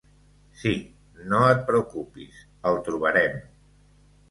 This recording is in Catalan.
Sí, no et preocupis; el trobarem.